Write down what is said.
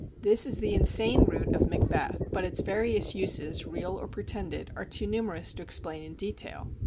This is the "insane root" of Macbeth, but its various uses, real or pretended, are too numerous to explain in detail.